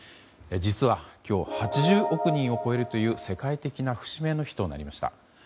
実は、今日８０億人を超えるという世界的な節目の日となりました。